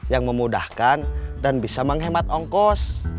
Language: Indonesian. yang memudahkan dan bisa menghemat ongkos